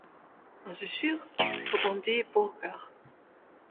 J’en suis sûr, répondit Beauregard.